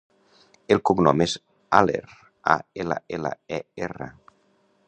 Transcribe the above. El cognom és Aller: a, ela, ela, e, erra.